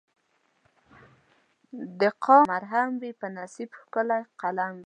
د قام زخم ته مرهم وي په نصیب کښلی قلم وي -